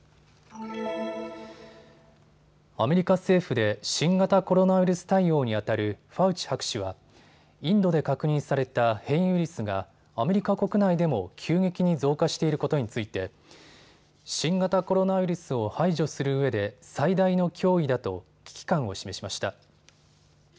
アメリカ政府で新型コロナウイルス対応にあたるファウチ博士はインドで確認された変異ウイルスがアメリカ国内でも急激に増加していることについて新型コロナウイルスを排除するうえで最大の脅威だと危機感を示しました。